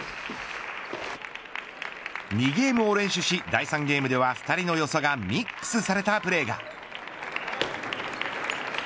２ゲームを連取し第３ゲームでは２人の良さがミックスされたプレーが。